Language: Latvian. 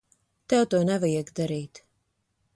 Tev to nevajag darīt.